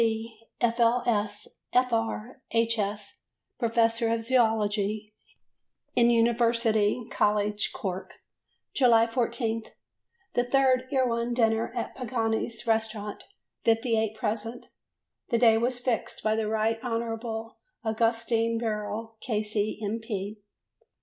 Sc., F.L.S., F.R. H.S., Professor of Zoology in University College, Cork. July 14. The third Erewhon dinner at Pagani's Restaurant; 58 present: the day was fixed by the Right Honourable Augustine Birrell, K.C., M.